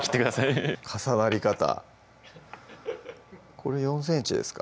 フフフッ重なり方これ４ｃｍですか